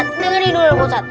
dengan idul ustaz